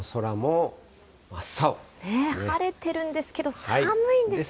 ねえ、晴れてるんですけれども、寒いですよね。